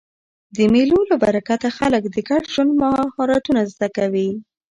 د مېلو له برکته خلک د ګډ ژوند مهارتونه زده کوي.